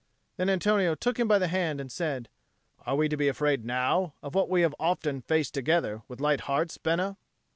Then Antonio took him by the hand and said, "Are we to be afraid now of what we have often faced together with light hearts, Bena?"